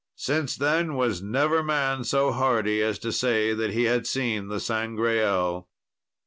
Since then was never man so hardy as to say that he had seen the Sangreal.